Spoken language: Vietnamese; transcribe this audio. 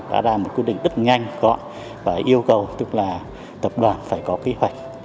đã ra một quyết định rất nhanh gọn và yêu cầu tức là tập đoàn phải có kế hoạch